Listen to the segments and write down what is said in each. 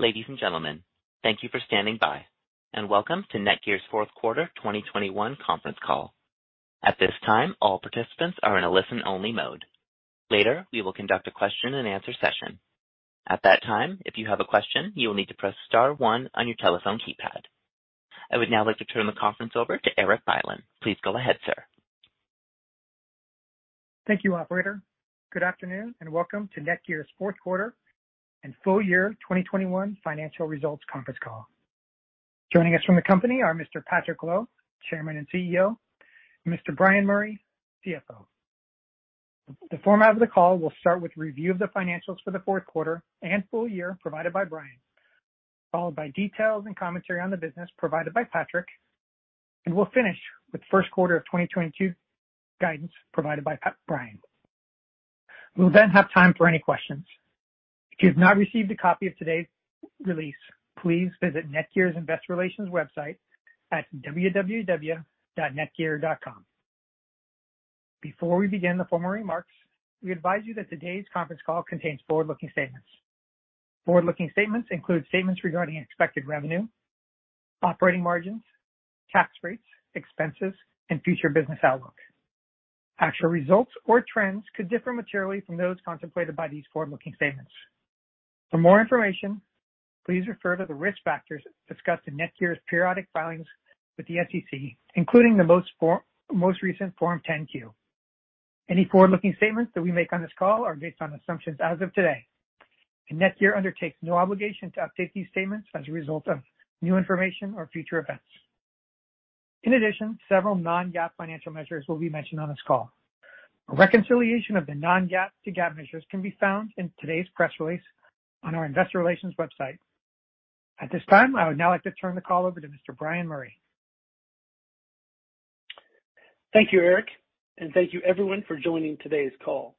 Ladies and gentlemen, thank you for standing by, and welcome to NETGEAR's Fourth Quarter 2021 Conference Call. At this time, all participants are in a listen-only mode. Later, we will conduct a question and answer session. At that time, if you have a question, you will need to press star one on your telephone keypad. I would now like to turn the conference over to Erik Bylin. Please go ahead, sir. Thank you, operator. Good afternoon, and welcome to NETGEAR's fourth quarter and full-year 2021 financial results conference call. Joining us from the company are Mr. Patrick Lo, Chairman and CEO, and Mr. Bryan Murray, CFO. The format of the call will start with review of the financials for the fourth quarter and full year provided by Bryan, followed by details and commentary on the business provided by Patrick, and we'll finish with first quarter of 2022 guidance provided by Bryan. We'll then have time for any questions. If you've not received a copy of today's release, please visit NETGEAR's Investor Relations website at www.netgear.com. Before we begin the formal remarks, we advise you that today's conference call contains forward-looking statements. Forward-looking statements include statements regarding expected revenue, operating margins, tax rates, expenses, and future business outlook. Actual results or trends could differ materially from those contemplated by these forward-looking statements. For more information, please refer to the risk factors discussed in NETGEAR's periodic filings with the SEC, including the most recent Form 10-Q. Any forward-looking statements that we make on this call are based on assumptions as of today, and NETGEAR undertakes no obligation to update these statements as a result of new information or future events. In addition, several non-GAAP financial measures will be mentioned on this call. A reconciliation of the non-GAAP to GAAP measures can be found in today's press release on our Investor Relations website. At this time, I would now like to turn the call over to Mr. Bryan Murray. Thank you, Erik, and thank you everyone for joining today's call.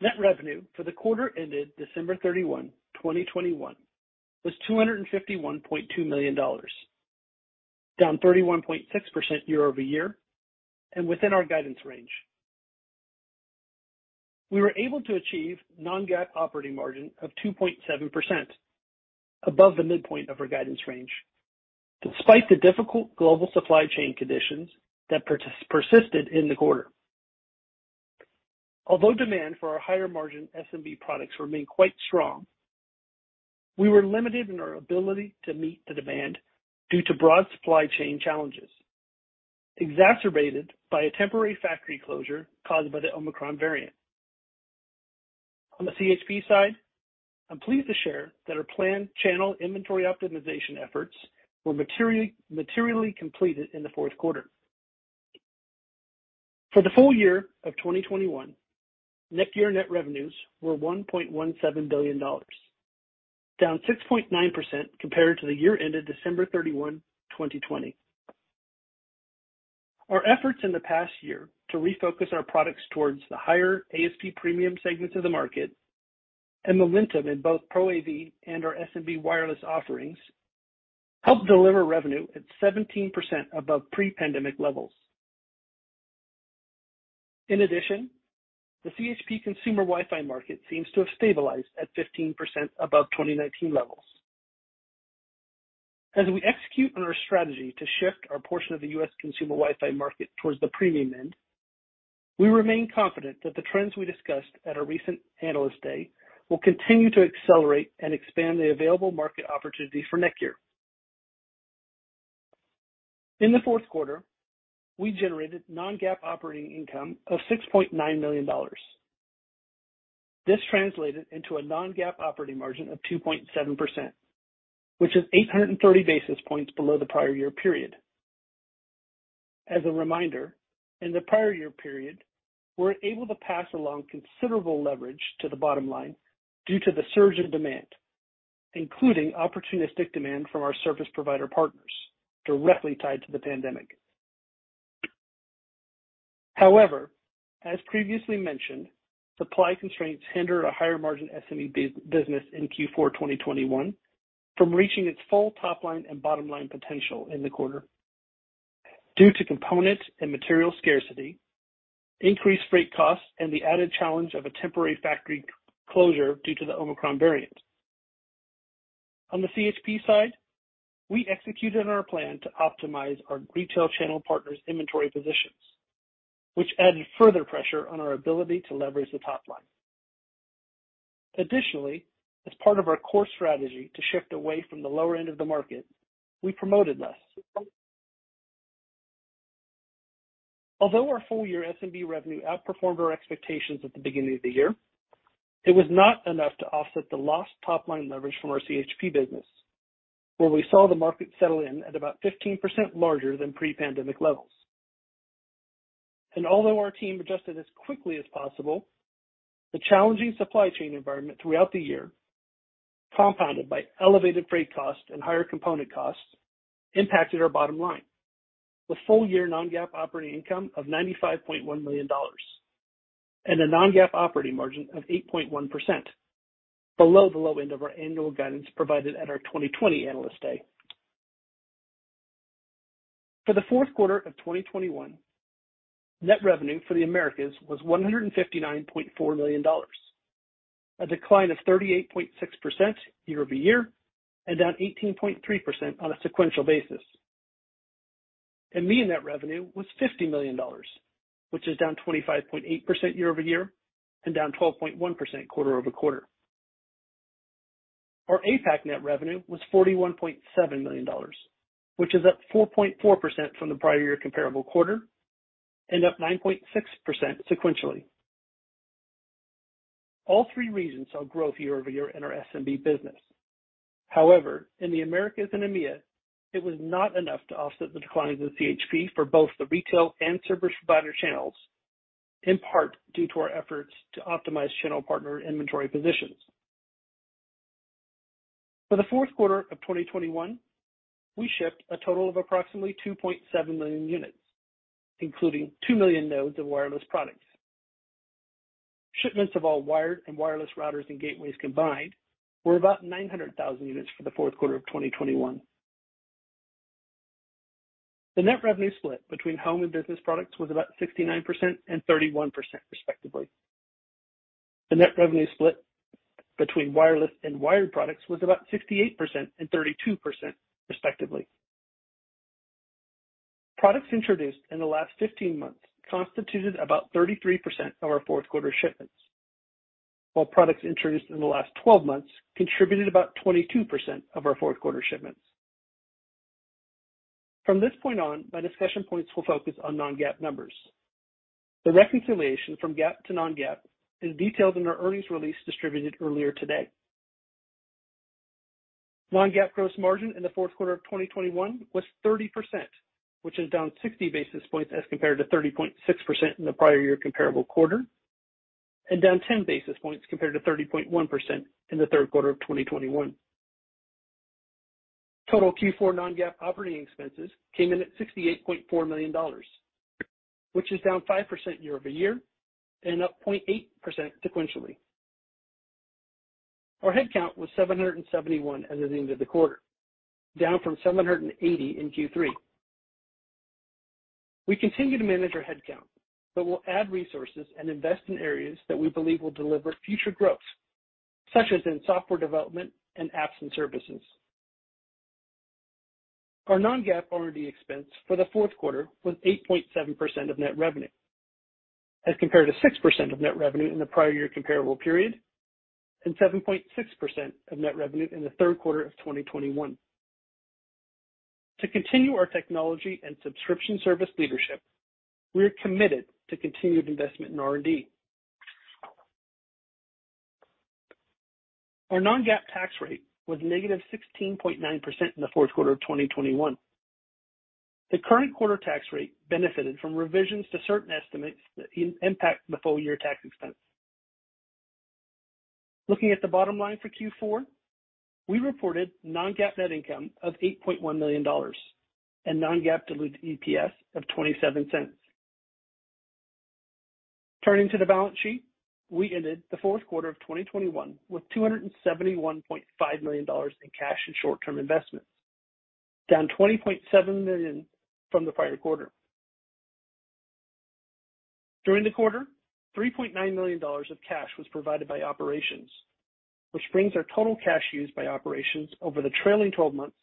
Net revenue for the quarter ended December 31, 2021 was $251.2 million, down 31.6% year-over-year and within our guidance range. We were able to achieve non-GAAP operating margin of 2.7% above the midpoint of our guidance range, despite the difficult global supply chain conditions that persisted in the quarter. Although demand for our higher margin SMB products remained quite strong, we were limited in our ability to meet the demand due to broad supply chain challenges, exacerbated by a temporary factory closure caused by the Omicron variant. On the CHP side, I'm pleased to share that our planned channel inventory optimization efforts were materially completed in the fourth quarter. For the full-year of 2021, NETGEAR net revenues were $1.17 billion, down 6.9% compared to the year ended December 31, 2020. Our efforts in the past year to refocus our products towards the higher ASP premium segments of the market and momentum in both Pro AV and our SMB wireless offerings helped deliver revenue at 17% above pre-pandemic levels. In addition, the CHP consumer Wi-Fi market seems to have stabilized at 15% above 2019 levels. As we execute on our strategy to shift our portion of the U.S. consumer Wi-Fi market towards the premium end, we remain confident that the trends we discussed at our recent Analyst Day will continue to accelerate and expand the available market opportunity for NETGEAR. In the fourth quarter, we generated non-GAAP operating income of $6.9 million. This translated into a non-GAAP operating margin of 2.7%, which is 830 basis points below the prior year period. As a reminder, in the prior year period, we were able to pass along considerable leverage to the bottom line due to the surge in demand, including opportunistic demand from our service provider partners directly tied to the pandemic. However, as previously mentioned, supply constraints hindered a higher margin SMB business in Q4 2021 from reaching its full top line and bottom line potential in the quarter due to component and material scarcity, increased freight costs, and the added challenge of a temporary factory closure due to the Omicron variant. On the CHP side, we executed on our plan to optimize our retail channel partners' inventory positions, which added further pressure on our ability to leverage the top line. Additionally, as part of our core strategy to shift away from the lower end of the market, we promoted less. Although our full-year SMB revenue outperformed our expectations at the beginning of the year, it was not enough to offset the lost top line leverage from our CHP business, where we saw the market settle in at about 15% larger than pre-pandemic levels. Although our team adjusted as quickly as possible, the challenging supply chain environment throughout the year, compounded by elevated freight costs and higher component costs, impacted our bottom line. The full-year non-GAAP operating income of $95.1 million and a non-GAAP operating margin of 8.1%, below the low end of our annual guidance provided at our 2020 Analyst Day. For the fourth quarter of 2021, net revenue for the Americas was $159.4 million. A decline of 38.6% year-over-year, and down 18.3% on a sequential basis. EMEA net revenue was $50 million, which is down 25.8% year-over-year and down 12.1% quarter-over-quarter. Our APAC net revenue was $41.7 million, which is up 4.4% from the prior year comparable quarter and up 9.6% sequentially. All three regions saw growth year-over-year in our SMB business. However, in the Americas and EMEA, it was not enough to offset the decline of the CHP for both the retail and service provider channels, in part due to our efforts to optimize channel partner inventory positions. For the fourth quarter of 2021, we shipped a total of approximately 2.7 million units, including 2 million nodes of wireless products. Shipments of all wired and wireless routers and gateways combined were about 900,000 units for the fourth quarter of 2021. The net revenue split between home and business products was about 69% and 31%, respectively. The net revenue split between wireless and wired products was about 68% and 32%, respectively. Products introduced in the last 15 months constituted about 33% of our fourth quarter shipments, while products introduced in the last 12 months contributed about 22% of our fourth quarter shipments. From this point on, my discussion points will focus on non-GAAP numbers. The reconciliation from GAAP to non-GAAP is detailed in our earnings release distributed earlier today. non-GAAP gross margin in the fourth quarter of 2021 was 30%, which is down 60 basis points as compared to 30.6% in the prior year comparable quarter, and down 10 basis points compared to 30.1% in the third quarter of 2021. Total Q4 non-GAAP operating expenses came in at $68.4 million, which is down 5% year-over-year and up 0.8% sequentially. Our headcount was 771 as of the end of the quarter, down from 780 in Q3. We continue to manage our headcount, but we'll add resources and invest in areas that we believe will deliver future growth, such as in software development and apps and services. Our non-GAAP R&D expense for the fourth quarter was 8.7% of net revenue, as compared to 6% of net revenue in the prior year comparable period, and 7.6% of net revenue in the third quarter of 2021. To continue our technology and subscription service leadership, we are committed to continued investment in R&D. Our non-GAAP tax rate was -16.9% in the fourth quarter of 2021. The current quarter tax rate benefited from revisions to certain estimates that impact the full-year tax expense. Looking at the bottom line for Q4, we reported non-GAAP net income of $8.1 million, and non-GAAP diluted EPS of $0.27. Turning to the balance sheet, we ended the fourth quarter of 2021 with $271.5 million in cash and short-term investments, down $20.7 million from the prior quarter. During the quarter, $3.9 million of cash was provided by operations, which brings our total cash used by operations over the trailing twelve months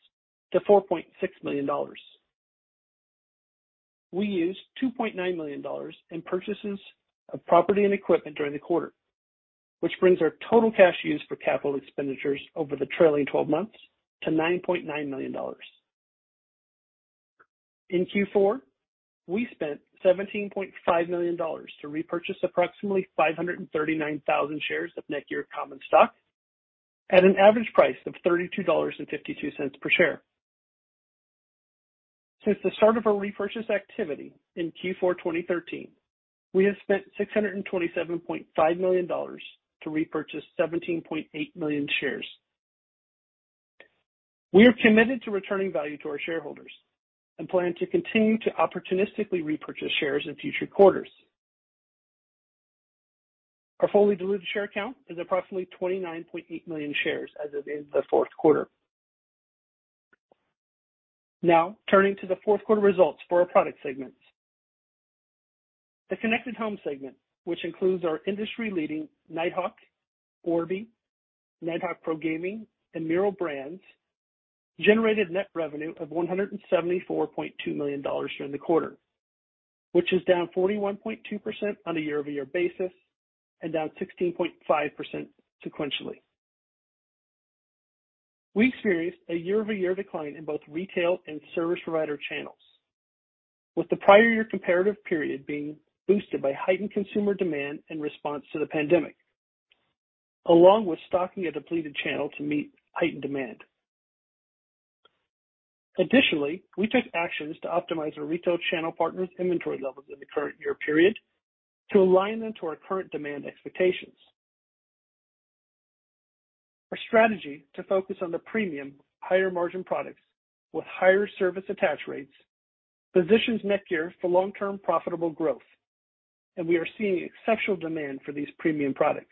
to $4.6 million. We used $2.9 million in purchases of property and equipment during the quarter, which brings our total cash used for capital expenditures over the trailing twelve months to $9.9 million. In Q4, we spent $17.5 million to repurchase approximately 539,000 shares of NETGEAR common stock at an average price of $32.52 per share. Since the start of our repurchase activity in Q4 2013, we have spent $627.5 million to repurchase 17.8 million shares. We are committed to returning value to our shareholders and plan to continue to opportunistically repurchase shares in future quarters. Our fully diluted share count is approximately 29.8 million shares as of the end of the fourth quarter. Now, turning to the fourth quarter results for our product segments. The Connected Home segment, which includes our industry-leading Nighthawk, Orbi, Nighthawk Pro Gaming, and Meural brands, generated net revenue of $174.2 million during the quarter, which is down 41.2% on a year-over-year basis and down 16.5% sequentially. We experienced a year-over-year decline in both retail and service provider channels, with the prior year comparative period being boosted by heightened consumer demand in response to the pandemic, along with stocking a depleted channel to meet heightened demand. Additionally, we took actions to optimize our retail channel partners' inventory levels in the current year period to align them to our current demand expectations. Our strategy to focus on the premium higher margin products with higher service attach rates positions NETGEAR for long-term profitable growth, and we are seeing exceptional demand for these premium products.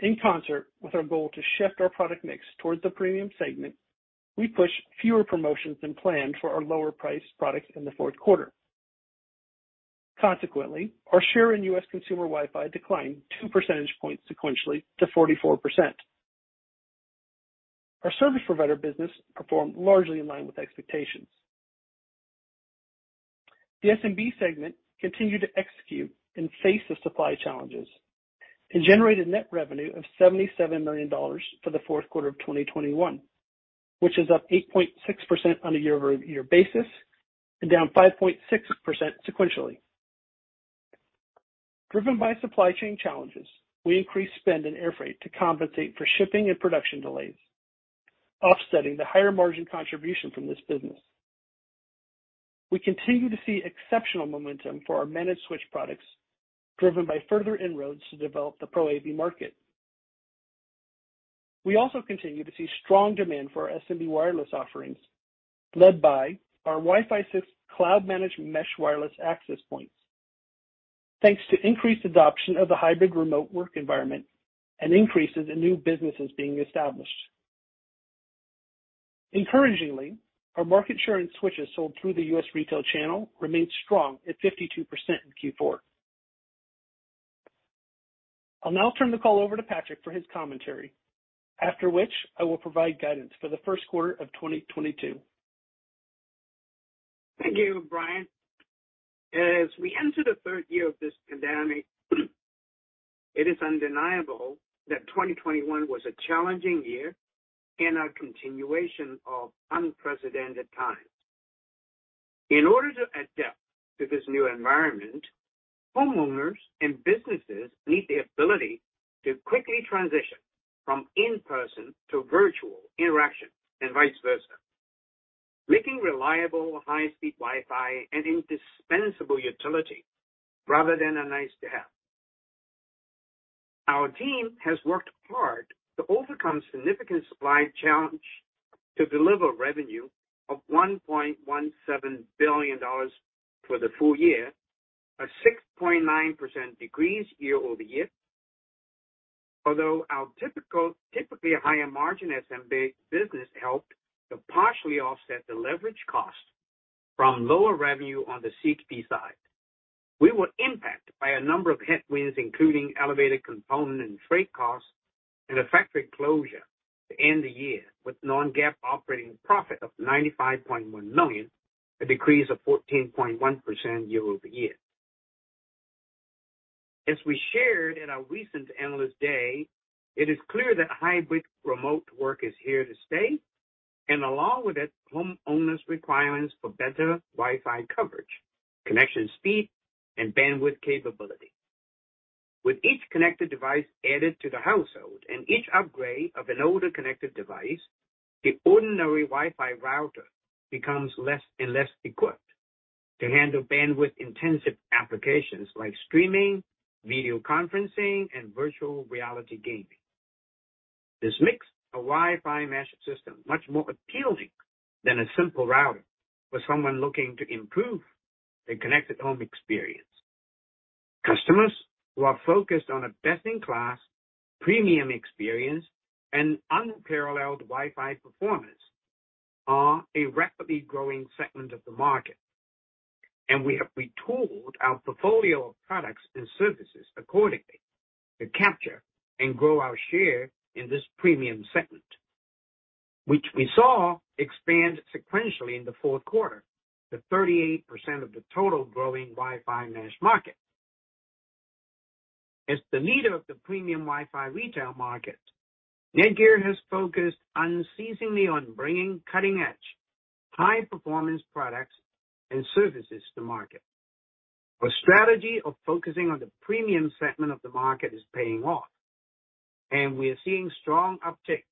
In concert with our goal to shift our product mix towards the premium segment, we pushed fewer promotions than planned for our lower priced products in the fourth quarter. Consequently, our share in U.S. consumer Wi-Fi declined two percentage points sequentially to 44%. Our service provider business performed largely in line with expectations. The SMB segment continued to execute in the face of supply challenges and generated net revenue of $77 million for the fourth quarter of 2021, which is up 8.6% on a year-over-year basis, and down 5.6% sequentially. Driven by supply chain challenges, we increased spend in air freight to compensate for shipping and production delays, offsetting the higher margin contribution from this business. We continue to see exceptional momentum for our managed switch products, driven by further inroads to develop the Pro AV market. We also continue to see strong demand for our SMB wireless offerings, led by our Wi-Fi 6 cloud managed mesh wireless access points, thanks to increased adoption of the hybrid remote work environment, and increases in new businesses being established. Encouragingly, our market share in switches sold through the U.S. retail channel remained strong at 52% in Q4. I'll now turn the call over to Patrick for his commentary, after which I will provide guidance for the first quarter of 2022. Thank you, Bryan. As we enter the third year of this pandemic, it is undeniable that 2021 was a challenging year and a continuation of unprecedented times. In order to adapt to this new environment, homeowners and businesses need the ability to quickly transition from in-person to virtual interaction and vice versa, making reliable high-speed Wi-Fi an indispensable utility rather than a nice to have. Our team has worked hard to overcome significant supply challenges to deliver revenue of $1.17 billion for the full-year, a 6.9% decrease year-over-year. Although our typically higher margin SMB business helped to partially offset the leverage cost from lower revenue on the CHP side. We were impacted by a number of headwinds, including elevated component and freight costs and a factory closure to end the year with non-GAAP operating profit of $95.1 million, a decrease of 14.1% year-over-year. As we shared in our recent Analyst Day, it is clear that hybrid remote work is here to stay, and along with it, homeowners' requirements for better Wi-Fi coverage, connection speed, and bandwidth capability. With each connected device added to the household and each upgrade of an older connected device, the ordinary Wi-Fi router becomes less and less equipped to handle bandwidth-intensive applications like streaming, video conferencing, and virtual reality gaming. This makes a Wi-Fi mesh system much more appealing than a simple router for someone looking to improve their connected home experience. Customers who are focused on a best-in-class premium experience and unparalleled Wi-Fi performance are a rapidly growing segment of the market, and we have retooled our portfolio of products and services accordingly to capture and grow our share in this premium segment, which we saw expand sequentially in the fourth quarter to 38% of the total growing Wi-Fi mesh market. As the leader of the premium Wi-Fi retail market, NETGEAR has focused unceasingly on bringing cutting-edge, high-performance products and services to market. Our strategy of focusing on the premium segment of the market is paying off, and we are seeing strong uptick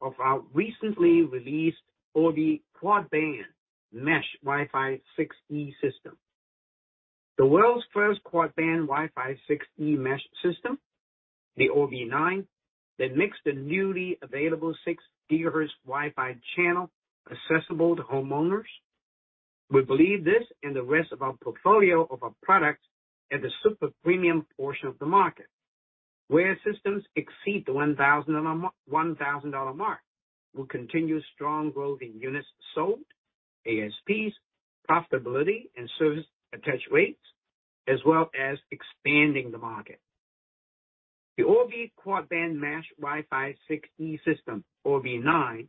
of our recently released Orbi quad-band mesh Wi-Fi 6E system. The world's first quad-band Wi-Fi 6E mesh system, the Orbi 960, that makes the newly available 6 GHz Wi-Fi channel accessible to homeowners. We believe this and the rest of our portfolio of our products in the super premium portion of the market, where systems exceed the $1000 mark, will continue strong growth in units sold, ASPs, profitability, and service attach rates, as well as expanding the market. The Orbi quad-band mesh Wi-Fi 6E system, Orbi 960,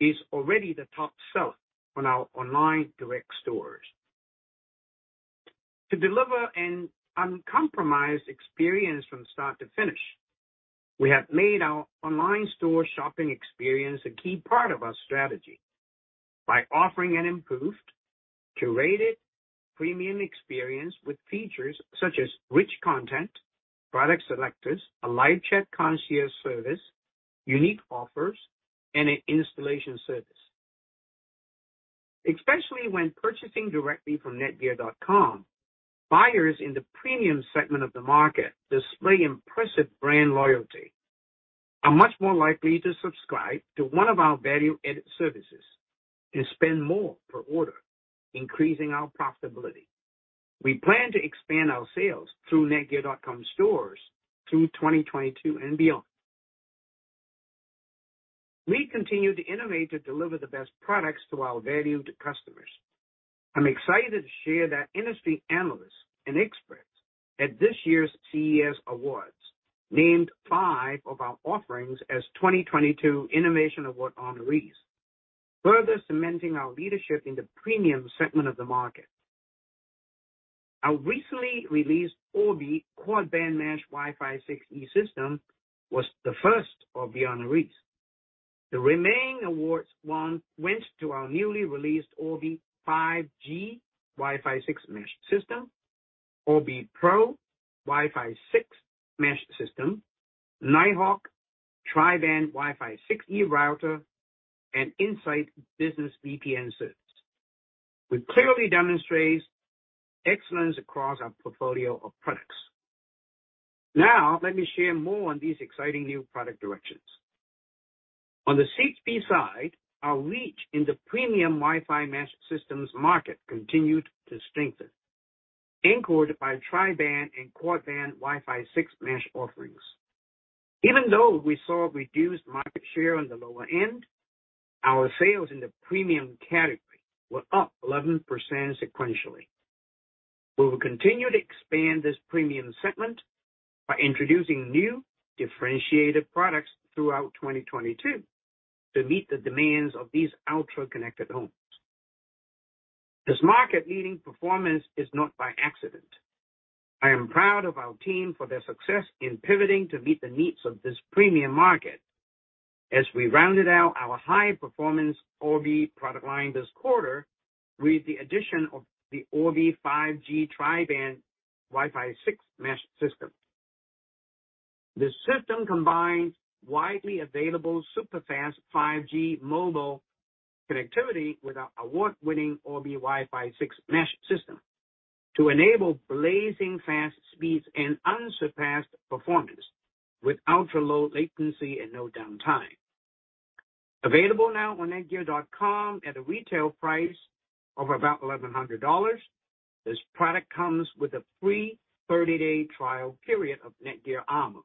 is already the top seller on our online direct stores. To deliver an uncompromised experience from start to finish, we have made our online store shopping experience a key part of our strategy by offering an improved, curated premium experience with features such as rich content, product selectors, a live chat concierge service, unique offers, and an installation service. Especially when purchasing directly from netgear.com, buyers in the premium segment of the market display impressive brand loyalty, are much more likely to subscribe to one of our value added services, and spend more per order, increasing our profitability. We plan to expand our sales through netgear.com stores through 2022 and beyond. We continue to innovate to deliver the best products to our valued customers. I'm excited to share that industry analysts and experts at this year's CES Awards named five of our offerings as 2022 Innovation Award honorees, further cementing our leadership in the premium segment of the market. Our recently released Orbi quad-band mesh Wi-Fi 6E system was the first Orbi honoree. The remaining awards won went to our newly released Orbi 5G Wi-Fi 6 Mesh System, Orbi Pro WiFi 6 Mesh System, Nighthawk Tri-Band WiFi 6E Router, and Insight Business VPN service, which clearly demonstrates excellence across our portfolio of products. Now, let me share more on these exciting new product directions. On the CHP side, our reach in the premium Wi-Fi mesh systems market continued to strengthen, anchored by tri-band and quad-band Wi-Fi 6 mesh offerings. Even though we saw reduced market share on the lower end, our sales in the premium category were up 11% sequentially. We will continue to expand this premium segment, by introducing new differentiated products throughout 2022, to meet the demands of these ultra-connected homes. This market-leading performance is not by accident. I am proud of our team for their success in pivoting to meet the needs of this premium market as we rounded out our high-performance Orbi product line this quarter with the addition of the Orbi 5G Tri-band Wi-Fi 6 Mesh System. The system combines widely available super-fast 5G mobile connectivity with our award-winning Orbi Wi-Fi 6 mesh system to enable blazing fast speeds and unsurpassed performance with ultra-low latency and no downtime. Available now on netgear.com at a retail price of about $1,100, this product comes with a free 30-day trial period of NETGEAR Armor,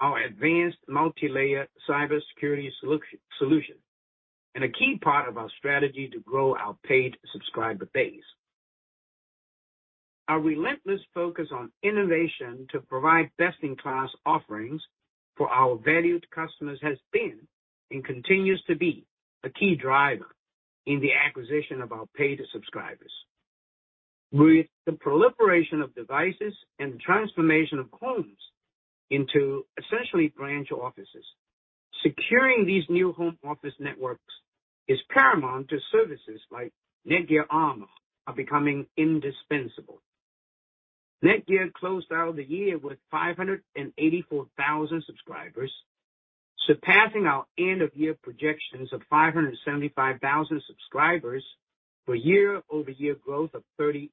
our advanced multi-layer cybersecurity solution, and a key part of our strategy to grow our paid subscriber base. Our relentless focus on innovation to provide best-in-class offerings for our valued customers has been and continues to be a key driver in the acquisition of our paid subscribers. With the proliferation of devices and the transformation of homes into essentially branch offices, securing these new home office networks is paramount. Services like NETGEAR Armor are becoming indispensable. NETGEAR closed out the year with 584,000 subscribers, surpassing our end-of-year projections of 575,000 subscribers for year-over-year growth of 33.6%.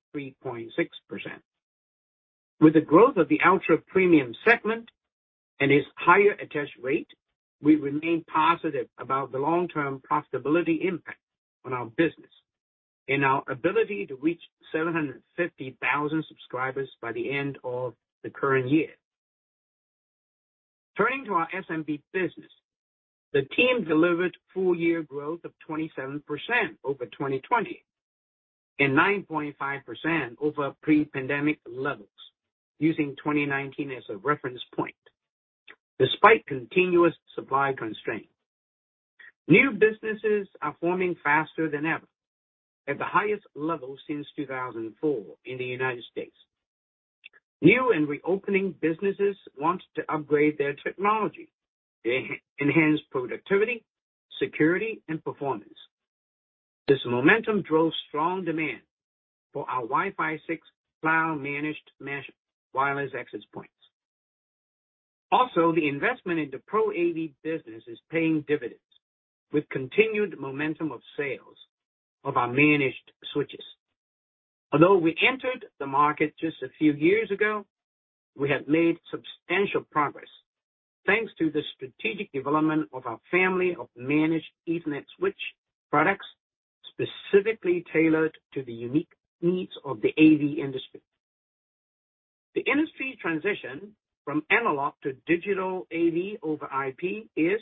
With the growth of the ultra-premium segment and its higher attach rate, we remain positive about the long-term profitability impact on our business, and our ability to reach 750,000 subscribers by the end of the current year. Turning to our SMB business, the team delivered full-year growth of 27% over 2020, and 9.5% over pre-pandemic levels using 2019 as a reference point despite continuous supply constraints. New businesses are forming faster than ever, at the highest level since 2004 in the United States. New and reopening businesses want to upgrade their technology to enhance productivity, security, and performance. This momentum drove strong demand for our Wi-Fi 6 cloud-managed mesh wireless access points. Also, the investment in the Pro AV business is paying dividends with continued momentum of sales of our managed switches. Although we entered the market just a few years ago, we have made substantial progress thanks to the strategic development of our family of managed Ethernet switch products specifically tailored to the unique needs of the AV industry. The industry transition from analog to digital AV over IP is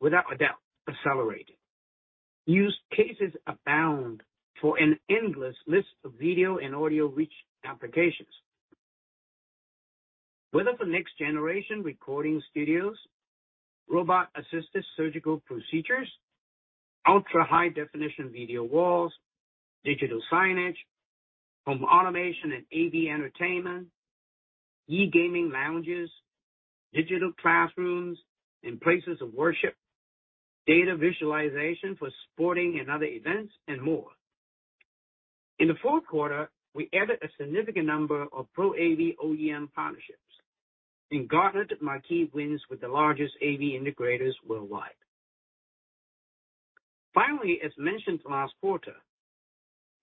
without a doubt accelerating. Use cases abound for an endless list of video and audio reach applications. Whether for next-generation recording studios, robot-assisted surgical procedures, ultra-high-definition video walls, digital signage, home automation and AV entertainment, e-gaming lounges, digital classrooms and places of worship, data visualization for sporting and other events, and more. In the fourth quarter, we added a significant number of Pro AV OEM partnerships and garnered marquee wins with the largest AV integrators worldwide. Finally, as mentioned last quarter,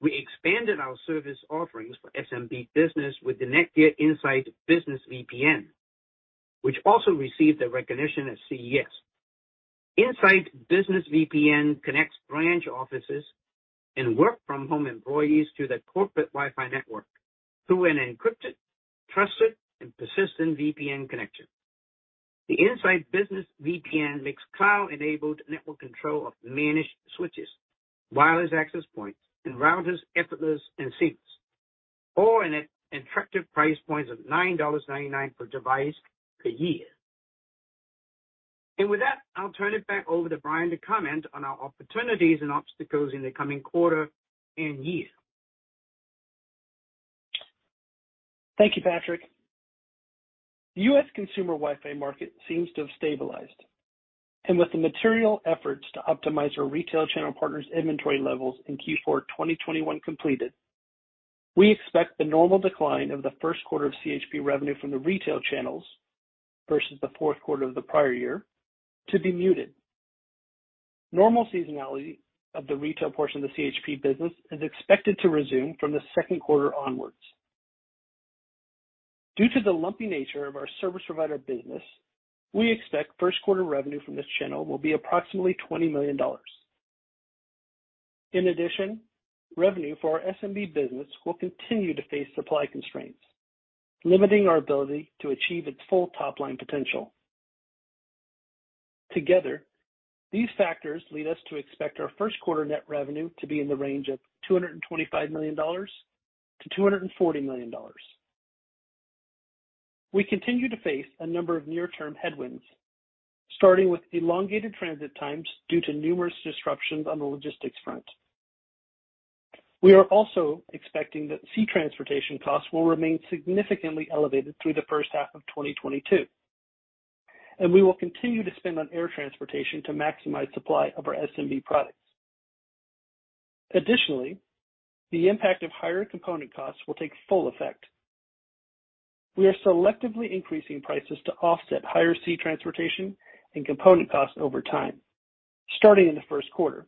we expanded our service offerings for SMB business with the NETGEAR Insight Business VPN, which also received a recognition at CES. Insight Business VPN connects branch offices and work from home employees to the corporate Wi-Fi network through an encrypted, trusted, and persistent VPN connection. The Insight Business VPN makes cloud-enabled network control of managed switches, wireless access points, and routers effortless and seamless, all in an attractive price point of $9.99 per device per year. With that, I'll turn it back over to Bryan to comment on our opportunities and obstacles in the coming quarter and year. Thank you, Patrick. The U.S. consumer Wi-Fi market seems to have stabilized, and with the material efforts to optimize our retail channel partners inventory levels in Q4 2021 completed, we expect the normal decline of the first quarter of CHP revenue from the retail channels versus the fourth quarter of the prior year to be muted. Normal seasonality of the retail portion of the CHP business is expected to resume from the second quarter onwards. Due to the lumpy nature of our service provider business, we expect first quarter revenue from this channel will be approximately $20 million. In addition, revenue for our SMB business will continue to face supply constraints, limiting our ability to achieve its full top line potential. Together, these factors lead us to expect our first quarter net revenue to be in the range of $225 million-$240 million. We continue to face a number of near-term headwinds, starting with elongated transit times due to numerous disruptions on the logistics front. We are also expecting that sea transportation costs will remain significantly elevated through the first half of 2022, and we will continue to spend on air transportation to maximize supply of our SMB products. Additionally, the impact of higher component costs will take full effect. We are selectively increasing prices to offset higher sea transportation and component costs over time, starting in the first quarter.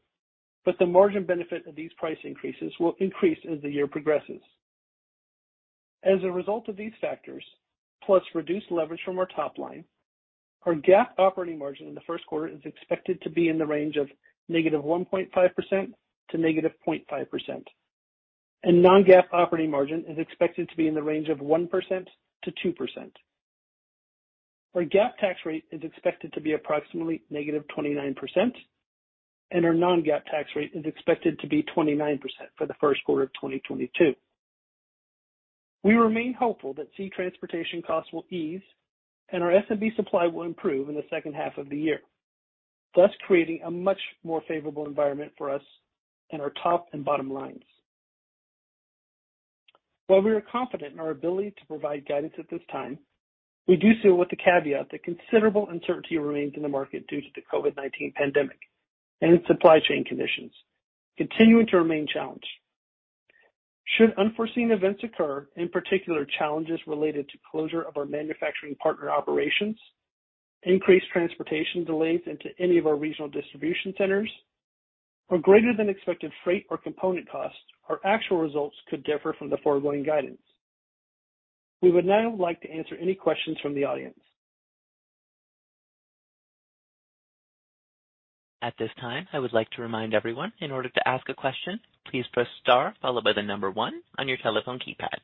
The margin benefit of these price increases will increase as the year progresses. As a result of these factors, plus reduced leverage from our top line, our GAAP operating margin in the first quarter is expected to be in the range of -1.5% to -0.5%. non-GAAP operating margin is expected to be in the range of 1%-2%. Our GAAP tax rate is expected to be approximately -29%, and our non-GAAP tax rate is expected to be 29% for the first quarter of 2022. We remain hopeful that sea transportation costs will ease and our SMB supply will improve in the second half of the year, thus creating a much more favorable environment for us and our top and bottom lines. While we are confident in our ability to provide guidance at this time, we do so with the caveat that considerable uncertainty remains in the market due to the COVID-19 pandemic and supply chain conditions continuing to remain challenged. Should unforeseen events occur, in particular, challenges related to closure of our manufacturing partner operations, increased transportation delays into any of our regional distribution centers, or greater than expected freight or component costs, our actual results could differ from the forward-looking guidance. We would now like to answer any questions from the audience. At this time, I would like to remind everyone, in order to ask a question, please press star followed by the number one on your telephone keypad.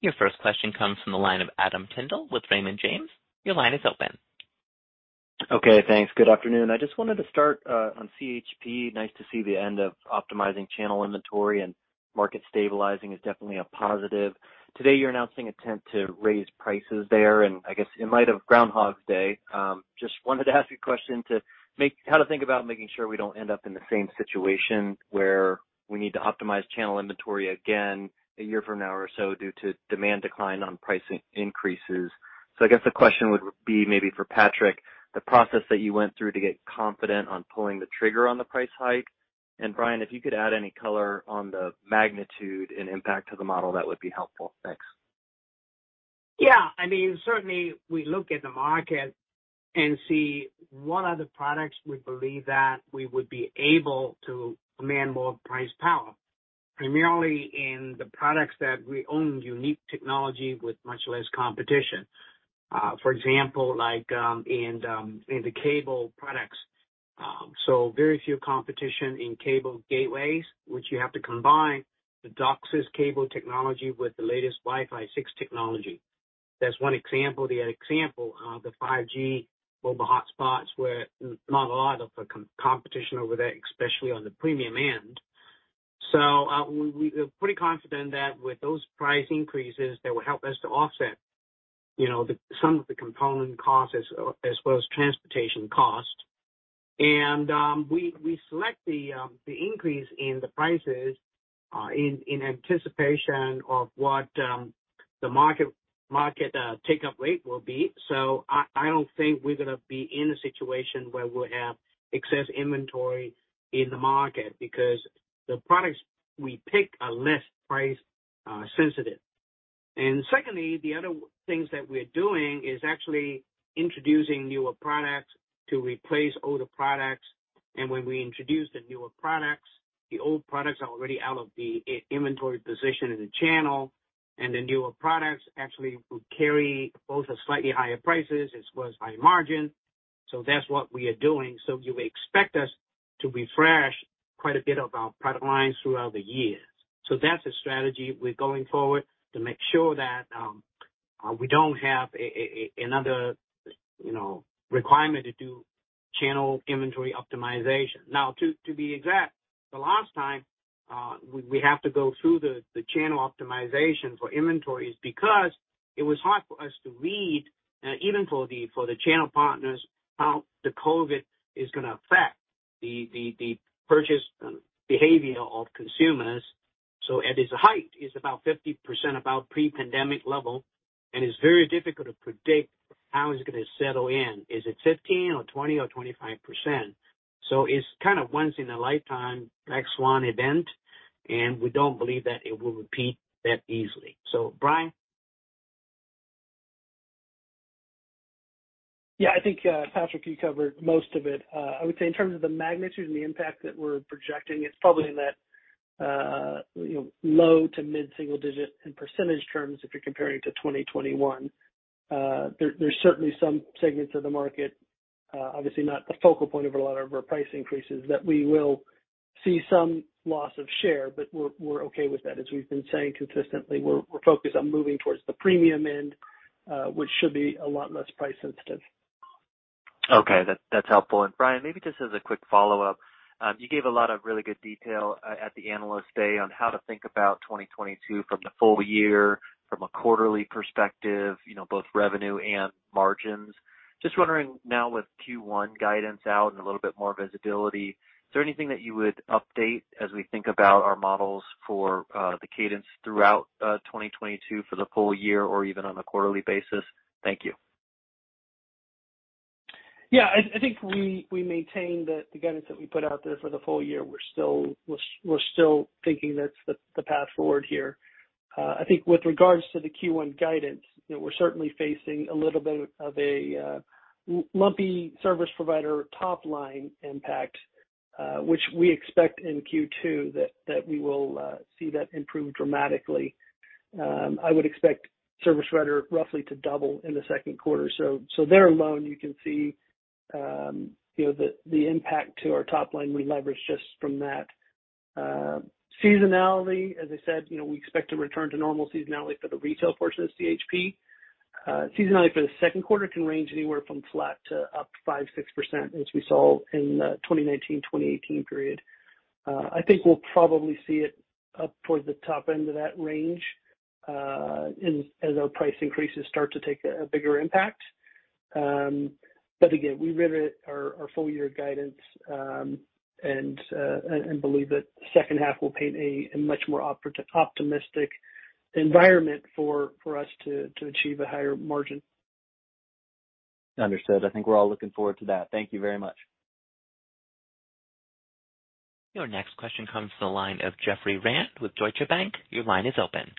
Your first question comes from the line of Adam Tindle with Raymond James. Your line is open. Okay, thanks. Good afternoon. I just wanted to start on CHP. Nice to see the end of optimizing channel inventory and market stabilizing is definitely a positive. Today you're announcing intent to raise prices there. I guess in light of Groundhog Day, just wanted to ask you a question how to think about making sure we don't end up in the same situation, where we need to optimize channel inventory again a year from now or so due to demand decline on price increases. I guess the question would be maybe for Patrick, the process that you went through to get confident on pulling the trigger on the price hike. Bryan, if you could add any color on the magnitude and impact to the model, that would be helpful? Thanks. Yeah, I mean, certainly we look at the market and see what are the products we believe that we would be able to command more price power, primarily in the products that we own unique technology with much less competition. For example, like, in the cable products. So very few competition in cable gateways, which you have to combine the DOCSIS cable technology with the latest Wi-Fi 6 technology. That's one example. The other example, the 5G mobile hotspots, where not a lot of competition over there, especially on the premium end. So, we're pretty confident that with those price increases that will help us to offset, you know, some of the component costs as well as transportation costs. We select the increase in the prices in anticipation of what the market take-up rate will be. I don't think we're gonna be in a situation where we'll have excess inventory in the market because the products we pick are less price sensitive. Secondly, the other things that we're doing is actually introducing newer products to replace older products. When we introduce the newer products, the old products are already out of the inventory position in the channel, and the newer products actually will carry both a slightly higher prices as well as higher margin. That's what we are doing. You may expect us to refresh quite a bit of our product lines throughout the years. That's a strategy we're going forward to make sure that we don't have another, you know, requirement to do channel inventory optimization. Now, to be exact, the last time we have to go through the channel optimization for inventories because it was hard for us to read even for the channel partners, how the COVID is gonna affect the purchase behavior of consumers. At its height, it's about 50% above pre-pandemic level, and it's very difficult to predict how it's gonna settle in. Is it 15%, or 20%, or 25%? It's kind of once in a lifetime black swan event, and we don't believe that it will repeat that easily. Bryan? Yeah. I think, Patrick, you covered most of it. I would say in terms of the magnitude and the impact that we're projecting, it's probably in that, you know, low-to-mid-single-digit in percentage terms if you're comparing to 2021. There's certainly some segments of the market, obviously not the focal point of a lot of our price increases, that we will see some loss of share, but we're okay with that. As we've been saying consistently, we're focused on moving towards the premium end, which should be a lot less price sensitive. Okay. That's helpful. Bryan, maybe just as a quick follow-up, you gave a lot of really good detail at the Analyst Day on how to think about 2022 from the full-year from a quarterly perspective, you know, both revenue and margins. Just wondering now with Q1 guidance out and a little bit more visibility, is there anything that you would update as we think about our models for the cadence throughout 2022 for the full-year or even on a quarterly basis? Thank you. Yeah. I think we maintain the guidance that we put out there for the full year. We're still thinking that's the path forward here. I think with regards to the Q1 guidance, you know, we're certainly facing a little bit of a lumpy service provider top-line impact, which we expect in Q2 that we will see that improve dramatically. I would expect service provider roughly to double in the second quarter. So there alone, you can see, you know, the impact to our top line we leverage just from that. Seasonality, as I said, you know, we expect to return to normal seasonality for the retail portion of CHP. Seasonality for the second quarter can range anywhere from flat to up 5%-6% as we saw in 2019-2018 period. I think we'll probably see it up toward the top-end of that range, as our price increases start to take a bigger impact. Again, we re-rate our full-year guidance and believe that the second half will paint a much more optimistic environment for us to achieve a higher margin. Understood. I think we're all looking forward to that. Thank you very much. Your next question comes from the line of Jeffrey Rand with Deutsche Bank. Your line is open.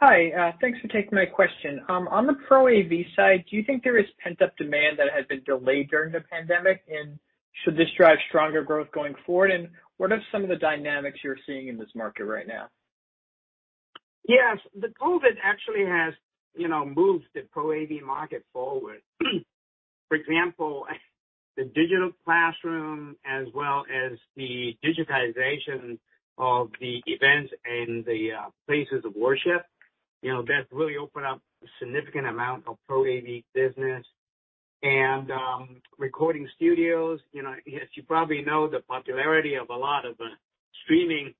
Hi. Thanks for taking my question. On the Pro AV side, do you think there is pent-up demand that has been delayed during the pandemic? Should this drive stronger growth going forward? What are some of the dynamics you're seeing in this market right now? Yes. The COVID actually has, you know, moved the Pro AV market forward. For example, the digital classroom as well as the digitization of the events and the places of worship. You know, that's really opened up a significant amount of Pro AV business. Recording studios, you know, as you probably know, the popularity of a lot of streaming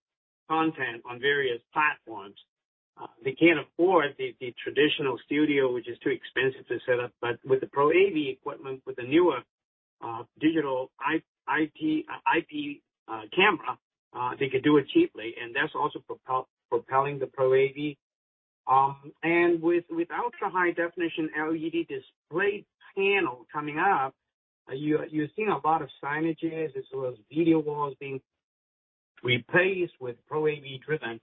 content on various platforms, they can't afford the traditional studio, which is too expensive to set up. With the Pro AV equipment, with the newer digital IT IP camera, they could do it cheaply, and that's also propelling the Pro AV. With ultra-high definition LED display panel coming up, you're seeing a lot of signages as well as video walls being replaced with Pro AV driven.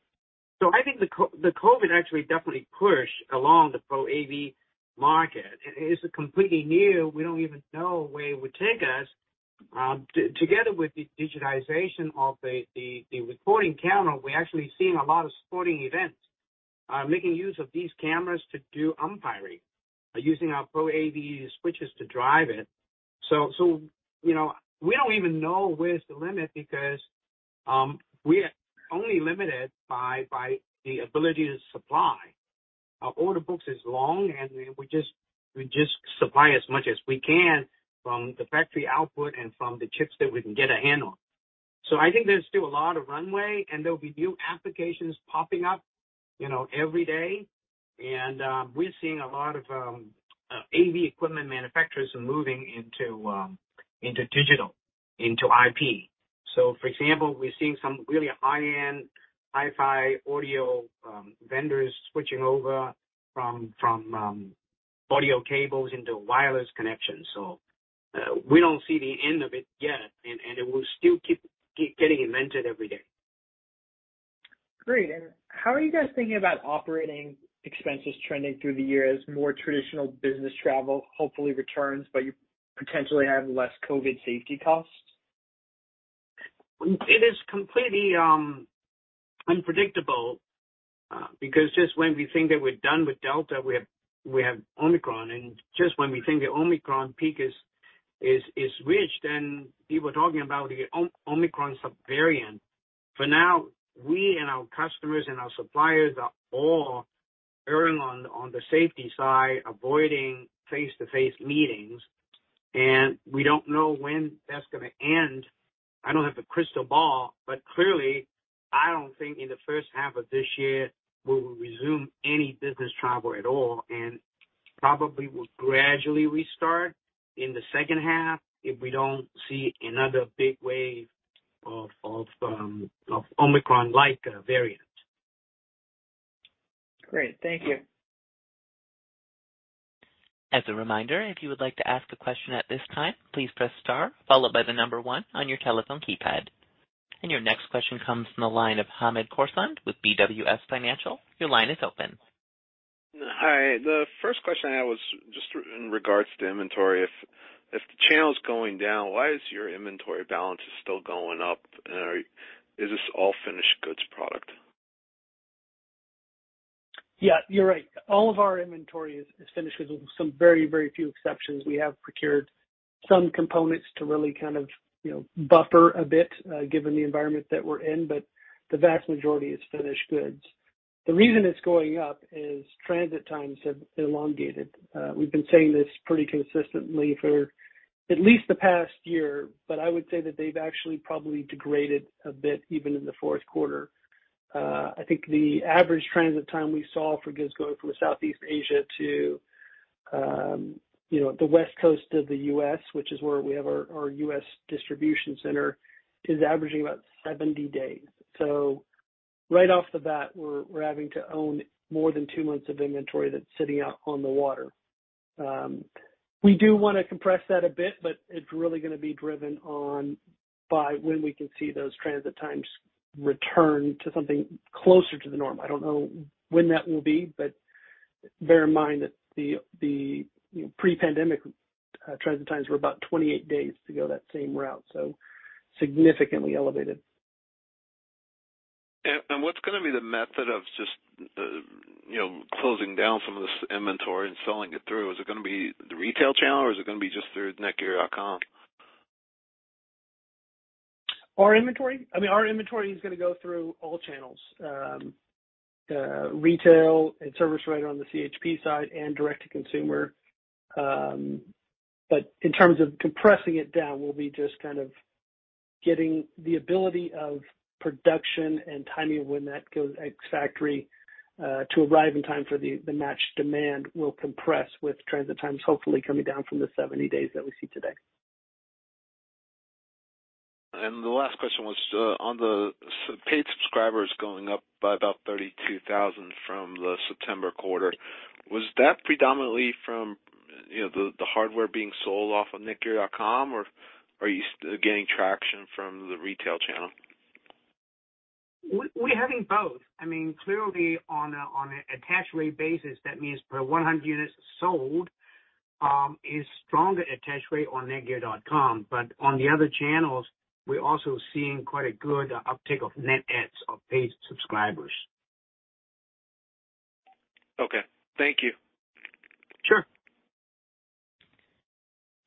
I think the COVID actually definitely pushed along the Pro AV market. It is completely new. We don't even know where it would take us. Together with the digitization of the recording camera, we're actually seeing a lot of sporting events making use of these cameras to do umpiring, using our Pro AV switches to drive it. You know, we don't even know where's the limit because we are only limited by the ability to supply. Our order books is long, and we just supply as much as we can from the factory output and from the chips that we can get a hand on. I think there's still a lot of runway, and there'll be new applications popping up, you know, every day. We're seeing a lot of AV equipment manufacturers moving into digital, into IP. For example, we're seeing some really high-end Hi-Fi audio vendors switching over from audio cables into wireless connections. We don't see the end of it yet, and it will still keep getting invented every day. Great. How are you guys thinking about operating expenses trending through the year as more traditional business travel hopefully returns, but you potentially have less COVID safety costs? It is completely unpredictable because just when we think that we're done with Delta, we have Omicron. Just when we think the Omicron peak is reached, then people are talking about the Omicron subvariant. For now, we and our customers and our suppliers are all erring on the safety side, avoiding face-to-face meetings, and we don't know when that's gonna end. I don't have a crystal ball, but clearly, I don't think in the first half of this year we will resume any business travel at all, and probably will gradually restart in the second half if we don't see another big wave of Omicron-like variant. Great. Thank you. As a reminder, if you would like to ask a question at this time, please press star followed by the number one on your telephone keypad. Your next question comes from the line of Hamed Khorsand with BWS Financial. Your line is open. Hi. The first question I had was just in regards to inventory. If the channel's going down, why is your inventory balances still going up? Is this all finished goods product? Yeah, you're right. All of our inventory is finished with some very few exceptions. We have procured some components to really kind of, you know, buffer a bit, given the environment that we're in, but the vast majority is finished goods. The reason it's going up is transit times have elongated. We've been saying this pretty consistently for at least the past year, but I would say that they've actually probably degraded a bit even in the fourth quarter. I think the average transit time we saw for goods going from Southeast Asia to, you know, the West Coast of the U.S., which is where we have our U.S. distribution center, is averaging about 70 days. So right off the bat, we're having to own more than two months of inventory that's sitting out on the water. We do wanna compress that a bit, but it's really gonna be driven on by when we can see those transit times return to something closer to the norm. I don't know when that will be, but bear in mind that the pre-pandemic transit times were about 28 days to go that same route, so significantly elevated. What's gonna be the method of just, you know, closing down some of this inventory and selling it through? Is it gonna be the retail channel or is it gonna be just through netgear.com? Our inventory? I mean, our inventory is gonna go through all channels, retail and service right around the CHP side and direct to consumer. In terms of compressing it down, we'll be just kind of getting the ability of production and timing of when that goes ex factory, to arrive in time for the matched demand will compress with transit times hopefully coming down from the 70 days that we see today. The last question was on the paid subscribers going up by about 32,000 from the September quarter. Was that predominantly from, you know, the hardware being sold off of netgear.com, or are you getting traction from the retail channel? We're having both. I mean, clearly on an attach rate basis, that means per 100 units sold is stronger attach rate on netgear.com. But on the other channels, we're also seeing quite a good uptake of net adds of paid subscribers. Okay. Thank you. Sure.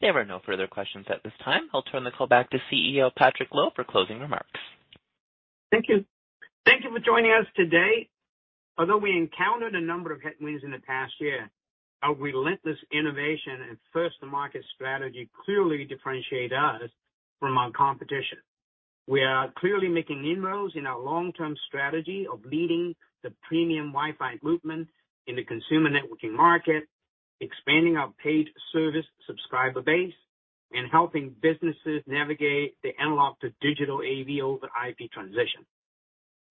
There are no further questions at this time. I'll turn the call back to CEO Patrick Lo for closing remarks. Thank you. Thank you for joining us today. Although we encountered a number of headwinds in the past year, our relentless innovation and first-to-market strategy clearly differentiate us from our competition. We are clearly making inroads in our long-term strategy of leading the premium Wi-Fi movement in the consumer networking market, expanding our paid service subscriber base, and helping businesses navigate the analog to digital AV over IP transition.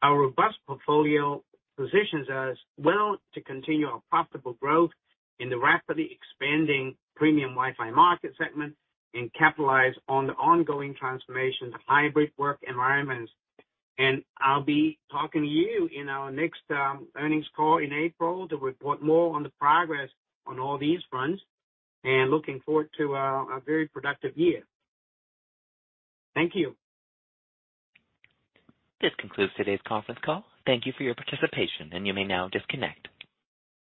Our robust portfolio positions us well to continue our profitable growth in the rapidly expanding premium Wi-Fi market segment and capitalize on the ongoing transformation to hybrid work environments. I'll be talking to you in our next earnings call in April to report more on the progress on all these fronts, and looking forward to a very productive year. Thank you. This concludes today's conference call. Thank you for your participation, and you may now disconnect.